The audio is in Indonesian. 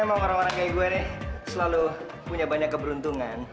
emang orang orang kayak gue nih selalu punya banyak keberuntungan